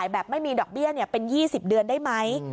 แบบไม่มีดอกเบี้ยเป็น๒๐เดือนได้ไหม